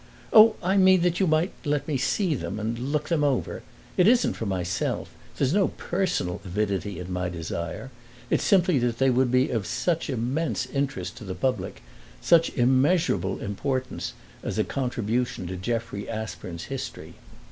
"Oh, I mean that you might let me see them and look them over. It isn't for myself; there is no personal avidity in my desire. It is simply that they would be of such immense interest to the public, such immeasurable importance as a contribution to Jeffrey Aspern's history."